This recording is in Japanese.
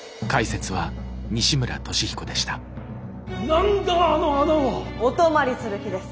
何だあの穴は！お泊まりする気です。